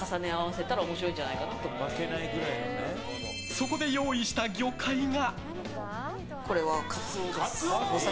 そこで用意した魚介が。